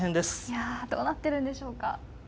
いやどうなってるんでしょうか。